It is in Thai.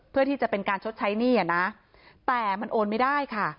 เพื่อที่จะเป็นการชดใช้หนี้อ่ะนะแต่มันโอนไม่ได้ค่ะ